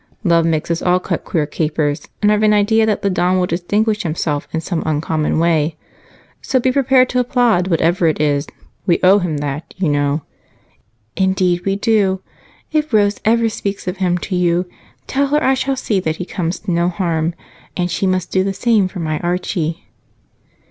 Love makes us all cut queer capers, and I've an idea that the Don will distinguish himself in some uncommon way. So be prepared to applaud whatever it is. We owe him that, you know." "Indeed we do! If Rose ever speaks of him to you, tell her I shall see that he comes to no harm, and she must do the same for my Archie."